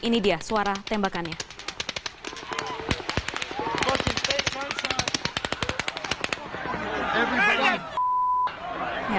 ini dia suara tembakannya